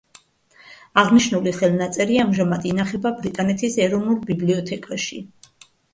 აღნიშნული ხელნაწერი ამჟამად ინახება ბრიტანეთის ეროვნულ ბიბლიოთეკაში.